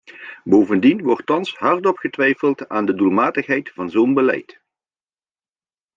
Bovendien wordt thans hardop getwijfeld aan de doelmatigheid van zo'n beleid.